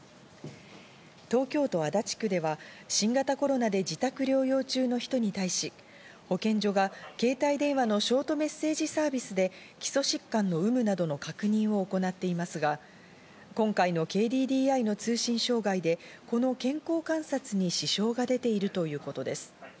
東京都足立区では新型コロナで自宅療養中の人に対し、保健所が携帯電話のショートメッセージサービスで基礎疾患の有無などの確認を行っていますが、今回のＫＤＤＩの通信障害でこの健康観察に支障が出ているということです。